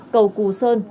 cầu cù sơn